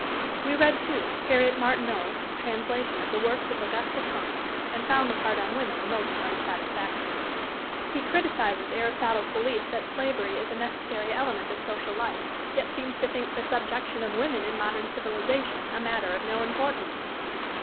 We read, too, Harriet Martineau's translation of the works of Auguste Comte, and found the part on woman most unsatisfactory. He criticises Aristotle's belief that slavery is a necessary element of social life, yet seems to think the subjection of woman in modern civilization a matter of no importance.